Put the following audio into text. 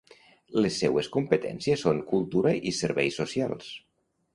Les seues competències són Cultura i Serveis socials.